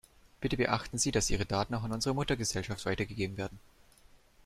Bitte beachten Sie, dass Ihre Daten auch an unsere Muttergesellschaft weitergegeben werden.